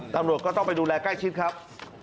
ตำรวจก็ต้องไปดูแลใกล้ชิดครับ